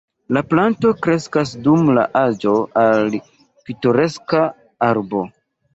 La planto kreskas dum la aĝo al pitoreska arbo.